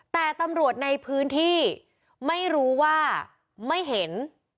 แต่ตำรวจในพื้นที่ไม่รู้ว่าไม่เห็น